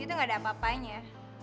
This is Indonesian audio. itu gak ada apa apanya